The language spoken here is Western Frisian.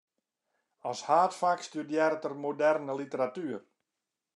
As haadfak studearret er moderne literatuer.